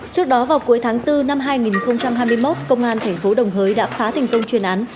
trước đó vào cuối tháng bốn năm hai nghìn hai mươi một công an thành phố đồng hới đã phá thành công chuyên án